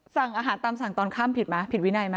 สั่งอาหารตามสั่งตอนข้ามผิดไหมผิดวินัยไหม